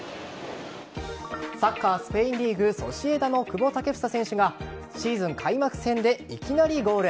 サッカー、スペインリーグソシエダの久保建英選手がシーズン開幕戦でいきなりゴール。